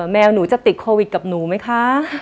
แมวหนูจะติดโควิดกับหนูไหมคะ